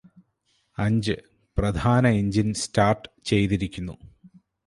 അഞ്ച് പ്രധാന engine start ചെയ്തിരിക്കുന്നു